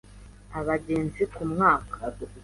abagenzi ku mwaka